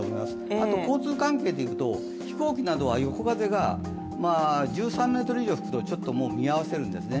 あと、交通関係でいうと、飛行機などは横風が１３メートル以上吹くと見合わせるんですね。